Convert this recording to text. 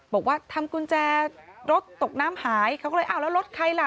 บอกว่าทำกุญแจรถตกน้ำหายเขาก็เลยอ้าวแล้วรถใครล่ะ